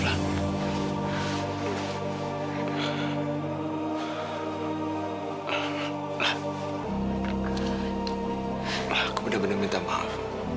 aku benar benar minta maaf